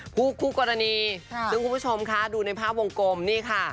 คู่คู่กรณีซึ่งคุณผู้ชมคะดูในภาพวงกลมนี่ค่ะ